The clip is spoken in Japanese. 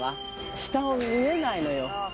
下を見れないのよ。